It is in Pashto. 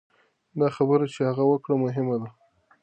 دا خبره چې هغه وکړه مهمه ده.